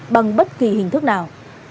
bằng bất kỳ hình thức nào